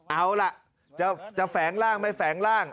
เอาล่ะจะแฝงร่างไม่แฝงร่าง